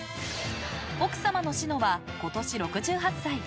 奥様の志乃は今年、６８歳。